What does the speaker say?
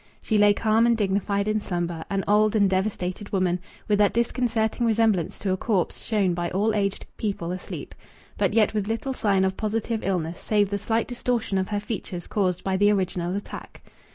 She lay calm and dignified in slumber an old and devastated woman, with that disconcerting resemblance to a corpse shown by all aged people asleep, but yet with little sign of positive illness save the slight distortion of her features caused by the original attack.